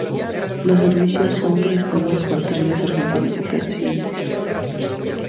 Los servicios son prestados por Trenes Argentinos Operaciones.